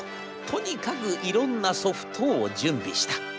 とにかくいろんなソフトを準備した。